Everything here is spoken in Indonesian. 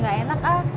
gak enak ah